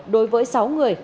đối với sáu người